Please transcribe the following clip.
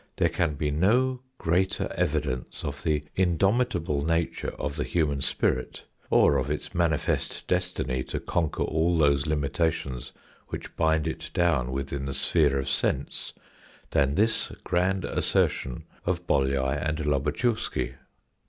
There can be no greater evidence of the indomitable nature of the human spirit, or of its manifest destiny to conquer all those limitations which bind it down within the sphere of sense than this grand a<sf>rtir.